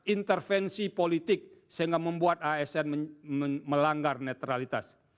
intervensi politik sehingga membuat asn melanggar netralitas